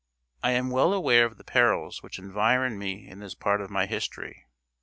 I am well aware of the perils which environ me in this part of my history.